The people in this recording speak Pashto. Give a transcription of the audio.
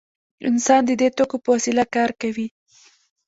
انسان د دې توکو په وسیله کار کوي.